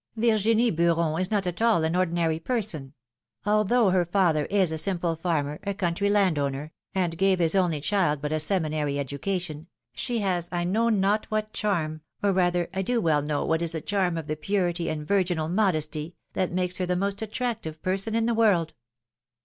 Virginie Beuroii is not at all an ordinary person ; although her father is a simple farmer, a country landowner, and gave his only child but a seminary education, she has I know not what charm, or rather I do well know what is the charm of the purity and virginal modesty, that makes her the most attractive person in the world.